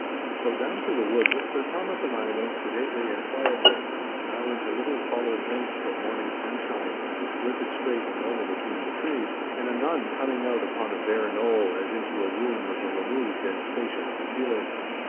So down through the woods Sir Thomas and I went sedately and quietly, now into little caller blinks of morning sunshine which glinted straight and level between the trees, and anon coming out upon a bare knoll as into a room with a removed and spacious ceiling.